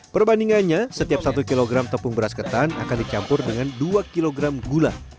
perbandingannya setiap satu kilogram tepung beras ketan akan dicampur dengan dua kg gula